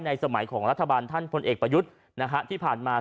สมัยของรัฐบาลท่านพลเอกประยุทธ์นะฮะที่ผ่านมา